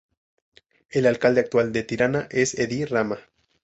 El alcalde actual de Tirana es Edi Rama.